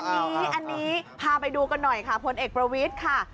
อันนี้อันนี้พาไปดูกันหน่อยค่ะพลเอกประวิทย์ค่ะ